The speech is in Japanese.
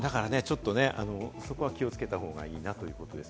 そこは気をつけた方がいいなということです。